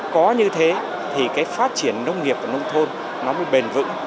có như thế thì cái phát triển nông nghiệp và nông thôn nó mới bền vững